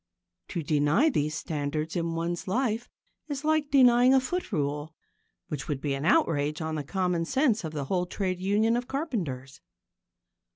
To deny these standards in one's life is like denying a foot rule which would be an outrage on the common sense of the whole trade union of carpenters.